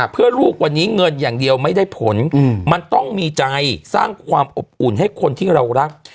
เพื่อลูกวันนี้เงินอย่างเดียวไม่ได้ผลมันต้องมีใจสร้างความอบอุ่นให้คนที่เรารัก